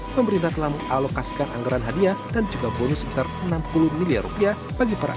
pemerintah telah mengalokasikan anggaran hadiah dan juga bonus sebesar enam puluh miliar rupiah bagi para